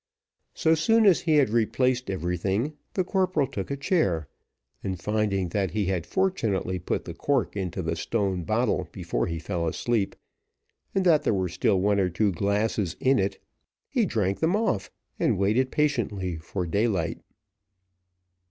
So soon as he had replaced everything, the corporal took a chair, and finding that he had fortunately put the cork into the stone bottle before he fell asleep, and that there was still one or two glasses in it, he drank them off, and waited patiently for daylight.